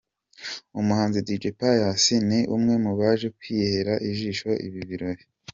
Umuhanzi Dj Pius ni umwe mu baje kwihera ijisho ibi birori.